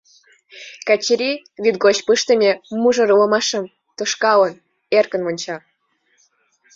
Качырий, вӱд гоч пыштыме мужыр ломашыш тошкалын, эркын вонча.